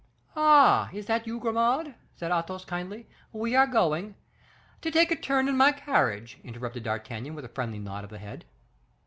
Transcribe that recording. "Ah! is that you, Grimaud?" said Athos, kindly. "We are going " "To take a turn in my carriage," interrupted D'Artagnan, with a friendly nod of the head.